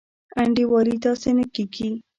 انډيوالي داسي نه کيږي.